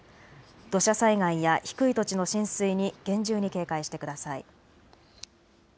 土砂災害や低い土地の浸水に厳重に警戒してください。